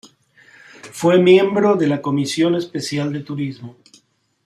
Fue miembro de la Comisión Especial de Turismo.